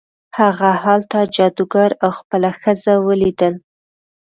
هغه هلته جادوګر او خپله ښځه ولیدل.